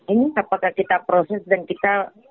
ini apakah kita proses dan kita